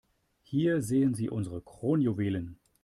Hier sehen Sie unsere Kronjuwelen.